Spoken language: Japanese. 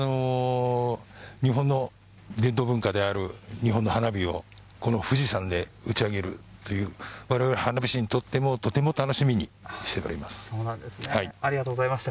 日本の伝統文化である日本の花火をこの富士山で打ち上げるという我々、花火師にとってもとても楽しみにしております。